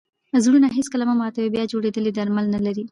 زړونه هېڅکله مه ماتوئ! بیا جوړېدل ئې درمل نه لري.